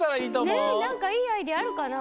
ねえなんかいいアイデアあるかな？